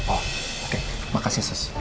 oh oke makasih sus